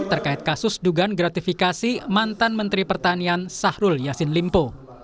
terkait kasus dugaan gratifikasi mantan menteri pertanian sahrul yassin limpo